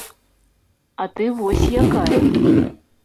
А ты вось якая.